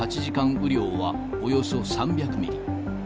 雨量は、およそ３００ミリ。